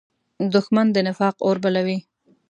دښمن د نفاق اور بلوي